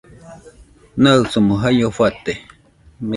Naɨsomo jaio fate